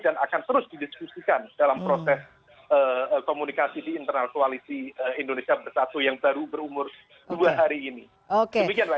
dan akan terus didiskusikan dalam proses komunikasi di internal koalisi indonesia bersatu yang baru berumur dua hari ini